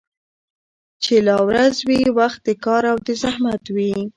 چي لا ورځ وي وخت د كار او د زحمت وي